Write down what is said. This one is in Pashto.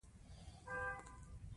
د بي بي خدېجې کور له مکې نه وړاندې دی.